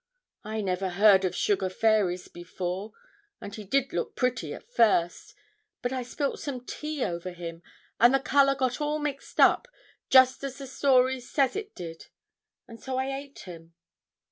I never heard of sugar fairies before. And he did look pretty at first, but I spilt some tea over him, and the colour got all mixed up, just as the story says it did, and so I ate him.'